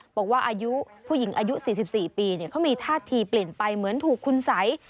บอกว่าอายุผู้หญิงอายุ๔๔ปีเขามีท่าทีเปลี่ยนไปเหมือนถูกคุณสัย